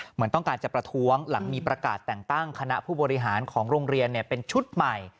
เหมือนต้องการจะประท้วงหลังมีประกาศแต่งตั้งคณะผู้บริหารของโรงเรียนเป็นชุดใหม่